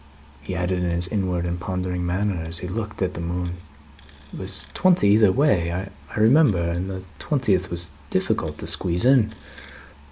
He added in his inward and pondering manner, as he looked at the moon, "It was twenty either way, I remember, and the twentieth was difficult to squeeze in."